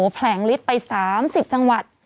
แผลงฤทธิ์ไป๓๐จังหวัด